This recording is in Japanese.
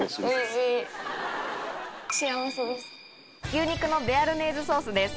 牛肉のベアルネーズソースです。